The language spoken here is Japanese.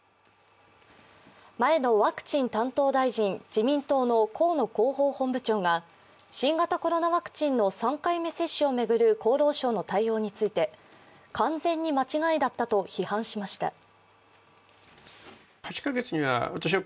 前のワクチン担当大臣、自民党の河野広報本部長が新型コロナワクチンの３回目接種を巡る厚労省の対応について完全に間違いだったと批判しました。